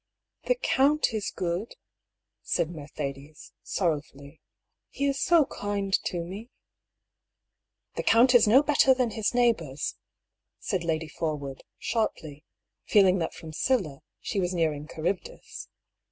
" The count is good," said Mercedes, sorrowfully. " He is so kind to me I "" The count is no better than his neighbours," said Lady Forwood, sharply, feeling that from Scylla she was nearing Charybdis.